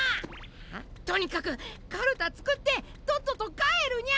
とにかくかるたつくってとっととかえるニャ！